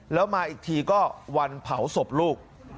แล้วมาอีกทีก็วันเผาศพลูก